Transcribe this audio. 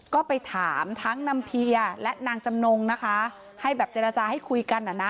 ก็ไปถามทั้งนางเพียและนางจำนงค์นะคะให้ห้ายด่ายให้คุยกันนะนะ